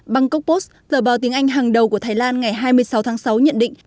bangkok post tờ báo tiếng anh hàng đầu của thái lan ngày hai mươi sáu tháng sáu nhận định